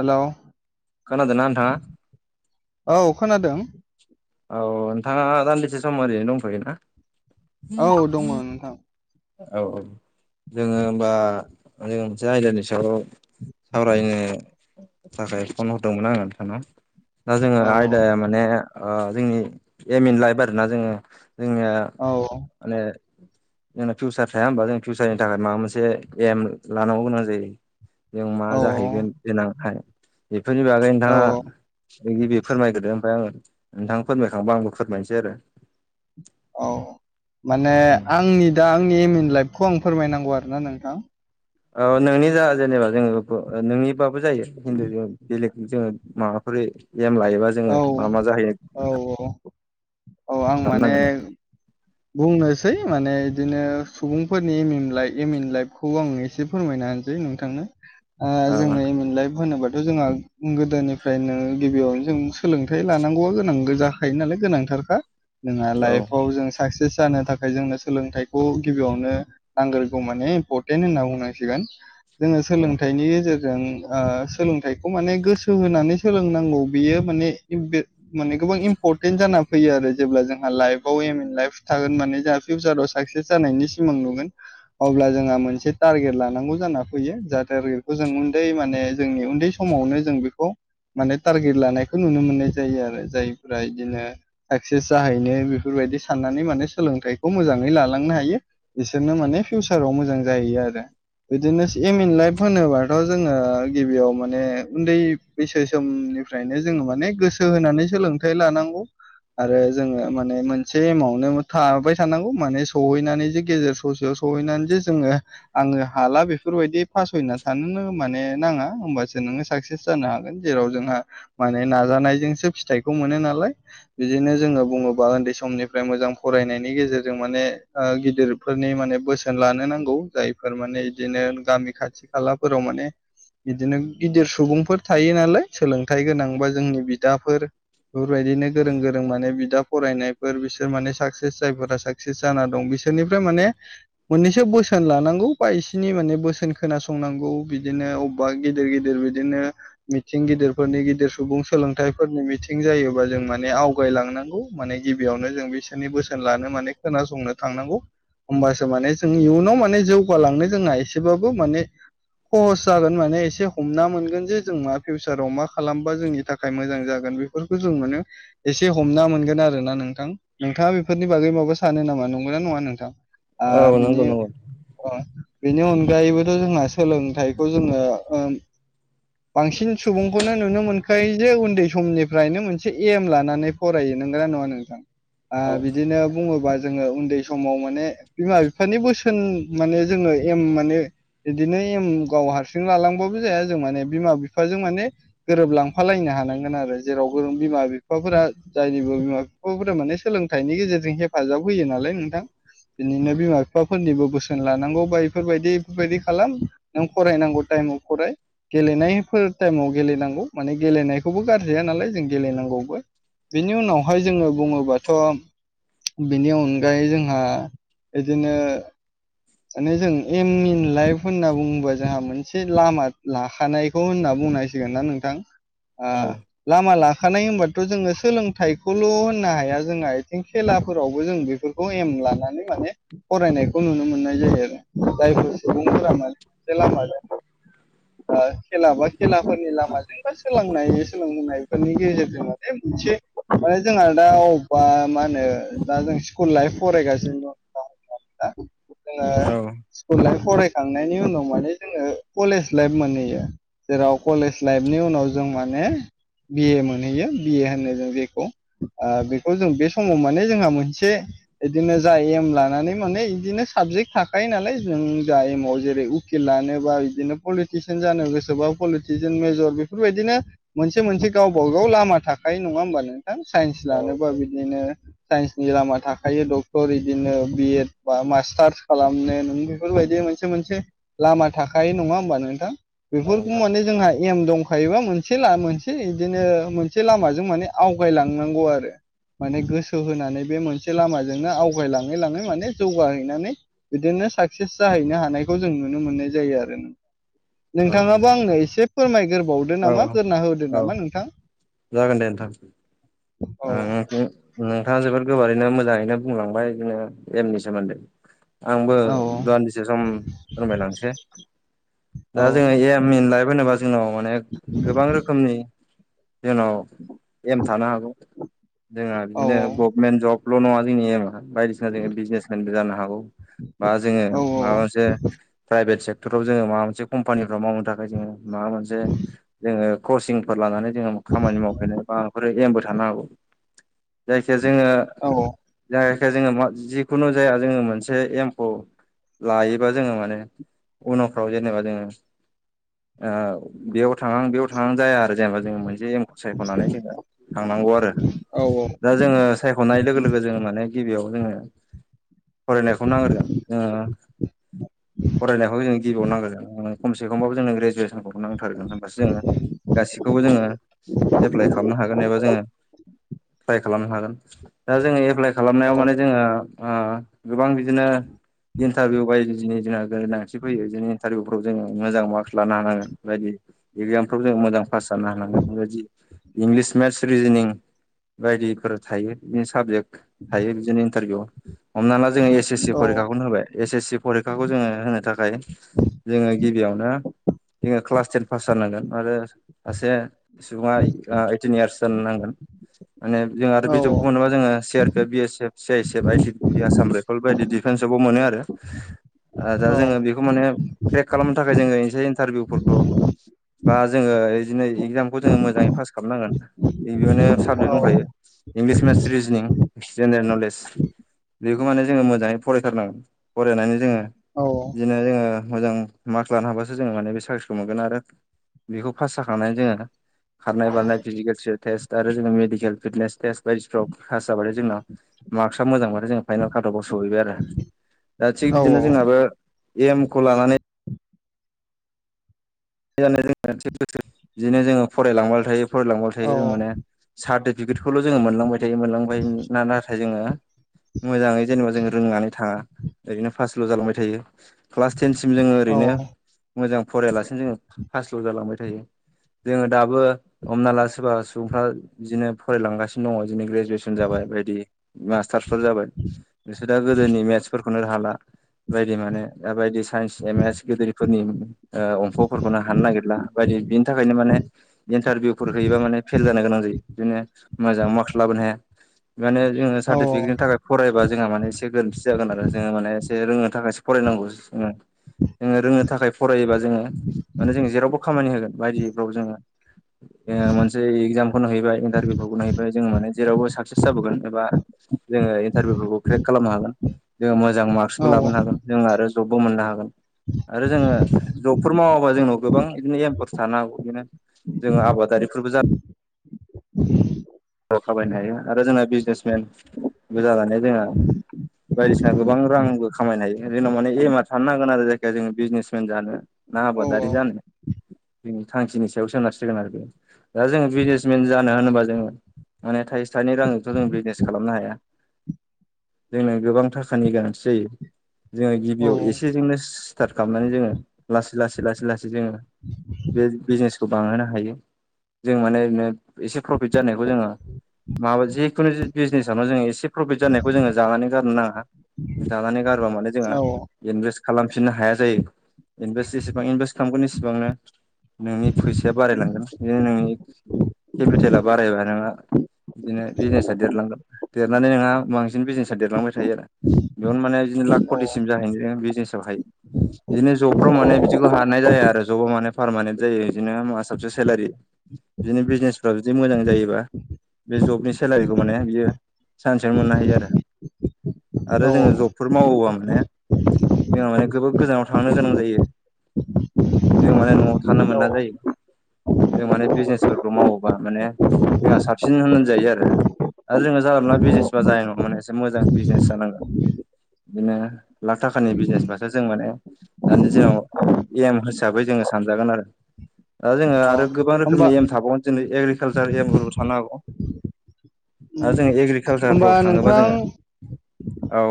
हेल' खानादों नोंथांआ औ खोनादों औ नोंथाङा दान्दिसे सम ओरैनो दंथयोना? औ दङ नोंथां। औ औ जोङो होमबा जो मोनसे आयदानि सायाव सावरायनो थाखाय फन हरदोंमोन आङो नोंथांनाव। दा जोङो औ आयदाया माने जोंनि एम एन लाइफ आर ना जोङो जोंनिया औ माने जोंना फिउचार थाया होमबा जों फिउचारनि थाखाय माबा मोनसे एम लानांगौ गोनां जायो जों मा औ जाहैगोन गेनां हाया बेफोरनि बागै औ नोंथाङा गिबि फोरमायग्रो ओमफ्राय आङो नोंथां फोरमायखांबा आंबो फोरमायनोसै आरो औ माने आंनि दा आंनि एम इन लाइफखौ आं फोरमायनांगौ आरोना नोंथां औ नोंनि जा जेनेबा जोङो नोंनिबाबो जायो हिन्दु बेलेग जोङो माबाफोर एम लायोबा औ जोङो मा मा जाहैयो औ औ आं माने खालामनांगोन बुंनोसै माने बिदिनो सुबुंफोरनि एम एम लाइ एम एम लाइफखौ आं एसे फोरमायनो होनसै नोंथांनो औ जोङो एम इन लाइफ होनोब जोंहा गोदोनिफ्रायनो गिबियावनो जों सोलोंथाइ लानांगौआ गोनां जाखायो नालाय गोनांथार जोंहा औ लाइफाव जों साक्सेस जानो थाखाय जोंनो सोलोंथाइखौ गिबियावनो नांग्रोगौ माने इम्परटेन्ट होनना बुंनांसिगोन जोङो औ सोलोंथाइनि गेजेरजों जों ओ सोलोंथाइखौ माने गोसो होनानै सोलोंनांगौ बियो माने माने गोबां इम्पर्टेन्ट जाना फैयो आरो जेब्ला जोंहा लाइफआव एम इन लाइफ थागोन माने जोंहा फिउचाराव साकसेस जानायनि सिमां नुगोन अब्ला जोंहा मोनसे टारगेट लानांगौ जाना फैयो जाहाथे आरो बेखौ जों उन्दै माने जोंनि उन्दै समावनो जों बेखौ माने टारगेट लानायखौ नुनो मोननाय जायो आरो जायफोरा इदिनो साक्सेस जाहैनो बेफोरबायदि साननानै माने सोलोंथाइखौ मोजाङै लालांनो हायो बिसोरनो माने फिउसाराव मोजां जाहैयो आरो बिदिनो एम इन लाइफ होनोबाथ जोङो गिबियाव माने उन्दै बैसो सम फ्रायनो जों माने गोसो होनानै सोलोंथाइ लानांगौ आरो जोङो माने मोन से एमाउटनो थाबाय थानांगौ माने सहैनानै जे गेजेर ससेयाव सहैनानै सो जोङो आ ङो हाला बेफोरबायदि पासयना थानो माने नाङा होमबासो नोङो साक्सेस जानो हागोन जेराव जोंहा माने नानायजोंसो फिथाइखौ मोन नालाय बिदिनो जोङो बुङोबा उन्दै सम समनिफ्राय मोजां फरायनायनि गेजेरजों माने गिदिरफोरनि माने बोसोन लानो नांगौ जायफोर फोर माने बिदिनो गामि खाथि खालाफोराव माने बिदिनो गिदिर सुबुंफोर थायो नालाय सोलोंथाइ गोनांबा जोंनि बिदाफोर बेफोरबायदिनो गोरों गोरों माने बिदा फरायनाय बिसोर माने साकस जायफोरा साकसेस जाना दं बिसोरनिफ्राय माने मोननैसो बोसोन लानांगौ बा इसिनि माने बोसोन खोनासंनांगौ बिदिनो अबा गिदिर गिदिर बिदिनो मिथिं गिदिरफोरनि गिदिर सुबुं सोलोंथाइफोरनि मिथिं जायोबा जों माने आवगायलांनांगौ माने गिबियावनो जों बिसोरनि बोसोन लानो माने खोनासंनो थांनांगौ होमबासो माने जों इयुनाव माने जौगालांनो जोंना एसेबाबो माने सहस जागोन माने एसे हमना मोनगोन जे जों मा फिउचाराव मा खालामबा जोंनि थाखाय मोजां जागोन बेफोरखौ जों मोनो एसे हमना मोनगोन आरोोना नोंथां नोंथाङा बेफोरनि बागै माबा सानो नामा नंगौना नङा नोंथां आ औ बिनि नंगौ नंगौ अ बेनि अनगायैबोथ जोंहा सोलोंथाइखौ जोङो बांसिन सुबुंखौनो नुनो मोनखायो जे उन्दै समनिफ्रायनो मोनसे एम लानानै फरायो नोंगोना नङा नोंथां औ बिदिनो बुङोबा जोङो उन्दै समाव माने बिमा बिफानि बोसोन माने जोङो एम माने बिदिनो एम गाव हारसिं लालांबाबो जाया जों माने बिमा बिफाजों माने गोरोबलांफालायना हानांगोन आरो जेरावबो बिमा बिफाफोरा जायनिबो बिमा बि माने सोलोंथाइनि गेजेरजों हेफाजाब होयो नालाय नोंथां बिदिनो बिमा बिफाफोरनिबो बोसोन लानांगौ बा इफोरबायदि बेफोरबायदि खालाम नों फरायनांगौ टाइमाव फराय गेलेनायफोर टाइमाव गेलेनांगौ माने गेलेनायखौबो गारजायानालाय जों गेलेनांगौ [unintelligible] बेनि उनावहाय जोङो बुङोबाथ' बिनि अनगायै जोंहा इदिनो माने जों एम इन लाइफ होनना बुंबा जोंहा मोनसे लामा लाखानायखौ होनना बुंनायसिगोनना नोंथां ओ लामा लाखानाय होनबाथ' जोङो सोलोंथाइखौल' होन नो हाया जोंआ इथिं खेलाफोरावबो जों बिफोरखौ एम लानानै माने फरायनायखौ नुनो मोननाय इदि जायोआरो जायफोर सुबुंफोरा [unintelligible] लामा [unintelligible] आ खेला बा खेलाफोरनि लामाजों बा सोलोंनाय सोलोंनायफोरनि गेजेरजों माने मोनसे माने जोंआ दा अबबा मा ओनो दा जों स्कुल लाइफ फरायगासिनो दं दा [unintelligible] जोङो औ स्कुल लाइफ फराय थांनायनि उनाव माने जोङो कलेज लाइफ मोनैयो जेराव कलेज लाइफनि उनाव ज ने बि ए मोनहैयो बि ए होनो जों जेखौ ओ बेखौ जों बे समाव माने जोंहा मोनसे इदिनो जा एम लानानै माने इदिनो साब जेक्ट थाखायो नालाय जों दा एमाव जेरै उकिल लानोबा इदिनो पलिटिसियान जानो गोसोबा पल [unintelligible] मेजर बेफोरबायदिनो मोनसे मोनसे गावबा गाव लामा थाखायो नङा ओमबा नोंथां? साइन्स लानोबा औ बिदिनो साइन्सनि लामा थाखायो डक्टर इदिनो बि एड बा मास्टार्स खालामनो नों बेफोरबायदि मोनसे मोनसे लामा थाखायो नङा ओमबा नोंथां बेफोरखौ नोंथां माने जोंहा एम दं खायोबा मोनसे ला मोनसे इदिनो मोनसे लामाजों माने आवगायलांनांगौ आरो। माने गोसो होनानै बे मोनसे लामाजोंनो आवगायलाङै लाङै माने जौगाहैनानै बिदिनो साक्सेस जाहैनो हानायखौ जों नुनो मोननाय जायो आरो नों औ नोंथाङाबो आंनो इसे फोरमायग्रोबावदो नामा औ गोरना होदो औ नामा नोंथां? जागोन दे नोंथां औ ओ [unintelligible] थाङा जोबोर गोबारैनो मोजाङैनो बुंलांबाय इदिनो एमनि सोमोन्दै। आंबो औ दवान्दिसे सम फोरमायलांनिसै। दा औ जोङो एइम इन लायब ओनोबा जोंनाव माने गोबां रोखोमनि जोंनाव एम थानो हागौ। जोंङा औ बिदिनो गभमेन्ट जबल' नङा जोंनि एमा बायदिसिना जोङो बिजनेसमेनबो जानो हागौ। बा जोङो औ माबा मोनसे प्राइभेट सेक क्टराव जोङो माबा मोनसे कम्पानिफ्राव मावनो थाखाय जोङो क्रसिंफोर लानानै जोङो खामानि मावफैनाय माबाफोर एमबो थानो हागौ जायखिया जोङो औ जायेखिया जोङो मा जिखुनु जाया जोङो मोनसे एमखौ लायोबा जोङो माने उनावफ्राव जेनेबा जोङो ओ बेयाव थांआं बेयाव थांआं जाया आरो जेनेबा जोङो मोनसे एमखौ सायख'नानै जोङो थांनांगौ आरो औ दा जोङो सायख'नाय लोगो लोगो जोङो माने गिबियाव जोङो फरायनायखौ नांग्रोगोन जोङो फरायनायखौ जों गिबियाव नांग्रोगोन। उम खमसे खमबाबो जोंनो ग्रेजुवेसनखौ नांथारगोन होनबासो जोङो गासिखौबो जोङो एप्लाइ खालामनो हा खालामनो हागोन दा जोङो एप्लाइ खालामनायाव माने जोङो ओ गोबां बि दिनो इन्टारभिउ बायदिजिनि जोंहा गोनांथि फैयो दिनो इन्टारभिउफ्राव जोङो मोजां मार्कस लानो हानांगोन बायदि एगजामफ्राव जों मोजां पास जानो हानांगोन बेबायदि इंलिस मेथ्स रिजिनिं बायदिफोर थायो दिनो साबजेक्ट थायो बिदिनो इन्टारभिउआव। हमना ला जोङो एस एस सि परिखाखौनो होबाय एस एस सि परिखाखौ जोङो होनो थाखाय जोङो गिबियावनो जोङो क्लास टेन पास जानांगोन आरो सासे सुबुङा इ ओ ओइटिन इयार्स जानो नांगोन। माने जोङो आरो बे जबखौ मोनोबा जोङो C R P F, B S F' C आइसेफ I T B P, Assam rifle बायदि डिफेन्सआव मोनो आरो। ओ दा जोङो बिखौ माने क्रेक खालामनो थाखाय जोङो इनसे इन्टारभिउफोरखौ बा जोङो इदिनो इगजामखौ जोङो मोजाङै फास खामनांगोन ओइ बियावनो साबजेक्ट दंखायो English, maths, reasoning general knowledge बेखौ माने जोङो मोजाङै फरायथारनांगोन फरायनानै जोङो दिनो जोङो मोजां मार्कस लानो हाबासो जोङो माने बे साख्रिखौ मोनगोन आरो बेखौ पास जाखांनानै जोङो खारनाय बारनाय फिजिकेल टेस्ट आरो जोङो मेडिकेल फिटनेस टेस्ट बायदिसफ्राव फास जाबाथाय जोंना मार्कसा मोजांबाथाय जों फाइनाल खाथ'बाव सहैबाय आरो दा थिग बिदिनो जोंहाबो एम खौ लानानै [inaudible] बिदिनो जोङो फरायलांबायल' थायो फरायलांबायल' थायो जों माने औ सार्टि फिखिटखौल' जोङो मोनलांबाय थायो मोनलांबाय ना-नाथाय जोङो मोजाङै जेनेबा जों रोंनानै थाङा ओरैनो फासल' जालांबाय थायो क्लास टेनसिम जोङो ओरैनो मोजां फरायालासिनो जोङो पासल' जालांबाय थायो। जोङो दाबो हमना ला सोरबा सुबुंफ्रा बिदिनो फरायलांगासिनो दङ जोंनि ग्रेजु ग्रेसन जाबाय बायदि मास्टारसफोर जाबाय बिसोर दा गोदोनि मेथसफोर रखौनो हाला बायदि माने दा बायदि साइन्स एमेस गेदेरफोरनि ओ अंख' फोरखौनो हानो नागिरला बायदि बिनि थाखायनो माने इन्टारभिउ हैयोबा माने फेल जानो गोनां बिदिनो मोजां मार्क लाबोनो हाया। माने जोङो सार्टिफिकेटनि थाखाय फरायबा जोंहा माने एसे गोरोन्थि जागोन आरो जोङो माने एसे रोंनो थाखायसो फरायनांगौ जोङो। जोङो रोंनो थाखाय फरायोबा जोङो माने जों जेरावबो खामानि होगोन बायदिफ्राव जोङो जे मोनसे एक्जामखौनो हैबाय इन्टारभिउ हैबाय जों माने जेरावबो साकसेस जाबोगोन एबा जोङो इन्टारभिउफोरखौे क्रेक खालामनो हागोन। जों मोजां मार्कसबो लाबोनो हागोन जों आरो जबबो मोननो हागोन आरो जोङो जबफोर माव जोंनाव गोबां बिदिनो एमफोर थानो हागौ बिदिनो जोङो आबादारिफोरबो जा खाबायनो हायो आरो जोंना बिजनेसमेनबो जानानै जोंहा बायदिसिना गोबां रांबो खामायनो हायो जोंनाव माने एमआ थानो नांगोन आरो जायखिया जों बिजनेसमेन जानो। ना आबादारि जानो जों थांखिनि सायाव सोनारसिगोन आरो। बे दा जोङो बिजनेसमेन जानो होनोबा जोङो माने थाइसे थाइनै रांजोंथ' जों बिजनेस खालामनो हाया। जोंनो गोबां थाखानि गोनांथि जायो। जोङो गिबियाव एसेजोंनो स्टार्ट खालामनानै जोङो लासै लासै लासै लासै जोङो बे बिजनेसखौ बांहोनो हायो। जों माने एसे प्रफिट जानायखौ जोङो माबा जिखुनु बिजनेसावनो जोङो एसे प्रफिट जानायखौ जोङो जानानै गारनो नाङा। जानानै गारोबा माने जोंहा इनभेस्ट खालामफिननो हाया जायो। इनभेस्ट इसिबां इनभेस्ट खालामगोन इसिबांनो नोंनि फैसाया बारायलांगोन बिनो नोंनि केपिटेला बारायबा नोंहा बिदिनो बिजनेसा देरलांगोन। देरनानै नोंहा बांसिन बिजनेसा देरलांबाय थायो आरो बेयावनो मा माने बिदिनो लाख पटिसिम जाहैयो बिजनेसाव हाय। बिदिनो जबफ्राव माने बिदिखौ हानाय जाया आरो जबाव माने पारमानेन्ट जायो बिदिनो मा साबसे सेलारि बिदिनो बिजनेसफ्रा जुदि मोजां जायोबा बे जबनि सेलारिखौ माने बियो सानसेयावनो मोननो हायो आरो। आरो औ जोङो जबफोर मावोबानो जोंहा माने गोबां गोजानाव थांनो गोनां जायो। जों माने न'आव थानो मोना औ जायो। जों माने बिजनेसफोरखौ मावोबा माने जोंहा सा बसिन होनजायो आरो। जोङो जानला मोनला बिजनेसबा जानाय नङा माने एसे मोजां बिजनेस जानांगोन। बिदिनो लाख थाखानि बिजनेसबासो जों माने दानि जोंनाव एम हिसाबै जोङो सानजागोन आरो दा जोङो आरो औ गोबां होमबा रोखोमनि एम थाबावगोन जेरै एग्रिकाल्सार एमफोरबो [inaudible] आरो उम जोङो होमबा एग्रिकालसारफ्राव थाङोबा नोंथां जोङो औ।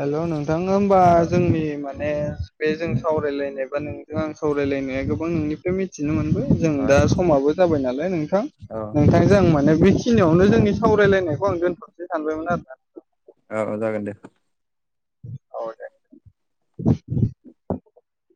हेल' नोंथां। होमबा जोंनि माने बे जों सावरायलायनाय बा नोंजों आं सावरायलायनाया गोबां नोंनिफ्राय मिथिनो मोनबाय। जों औ दा समाबो जाबाय नालाय नोंथां औ औ दे नोंथांजों आं माने बेखि खिनियावनो जोंनि सावरायलायनायखौ आं दोनथ'सै सानबायमोन आरो। औ जागोन दे‌ औ दे। [inaudible]